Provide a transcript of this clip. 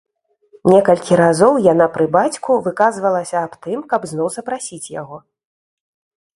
Некалькі разоў яна пры бацьку выказвалася аб тым, каб зноў запрасіць яго.